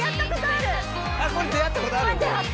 あこれ出会ったことある？